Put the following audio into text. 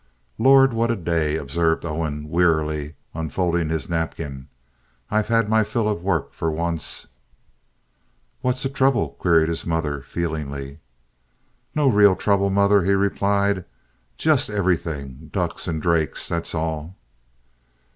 "Lord, what a day!" observed Owen, wearily, unfolding his napkin. "I've had my fill of work for once." "What's the trouble?" queried his mother, feelingly. "No real trouble, mother," he replied. "Just everything—ducks and drakes, that's all."